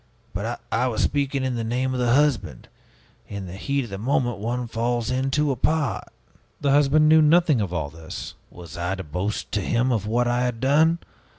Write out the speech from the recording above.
but I was speaking in the name of the husband. In the heat of the moment one falls into a part " "The husband knew nothing of all this." "Was I to boast to him of what I had done?